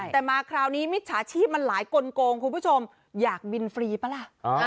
แต่มาคราวนี้มิจฉาชีพมันหลายกลงคุณผู้ชมอยากบินฟรีปะล่ะ